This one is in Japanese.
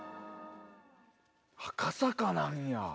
赤坂なんや。